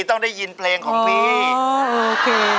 ต้องได้ยินเพลงของพี่โอเค